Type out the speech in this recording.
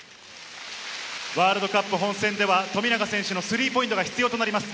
ワールドカップ本戦では富永選手のスリーポイントが必要となります。